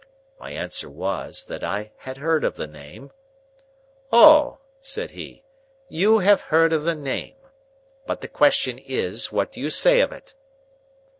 My answer was, that I had heard of the name. "Oh!" said he. "You have heard of the name. But the question is, what do you say of it?"